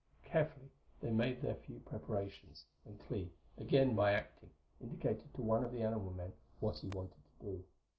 Carefully they made their few preparations, and Clee, again by acting, indicated to one of the animal men what he wanted to do.